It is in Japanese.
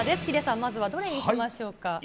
ヒデさん、まずはどれにしましょうか。